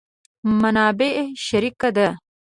منابع شریکه ده.